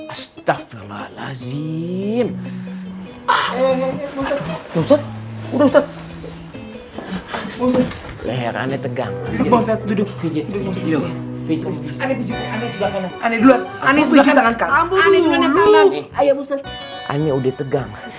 astaghfirullahaladzim ah udah ustadz leher aneh tegang duduk duduk aneh aneh udah tegang